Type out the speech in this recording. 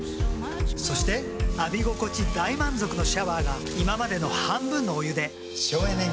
そして浴び心地大満足のシャワーが今までの半分のお湯で省エネに。